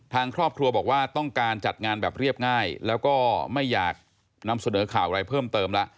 ทางครอบครัวบอกว่าต้องการจัดงานแบบเรียบง่ายแล้วก็ไม่อยากนำเสนอข่าวอะไรเพิ่มเติมแล้ว